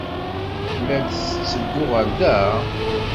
La d-tetteddu ɣer da?